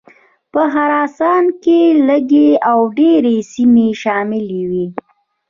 په خراسان کې لږې او ډېرې سیمې شاملي وې.